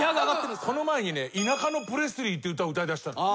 この前に「田舎のプレスリー」って歌を歌いだしたの。